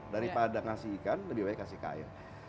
daripada ngasih ikan lebih baik kasih kain